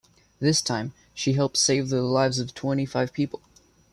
This time, she helped save the lives of twenty-five people.